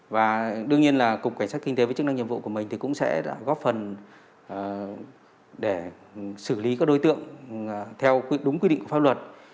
và đương nhiên là cục cảnh sát kinh tế với chức năng nhiệm vụ của mình thì cũng sẽ góp phần để xử lý các đối tượng theo đúng quy định của pháp luật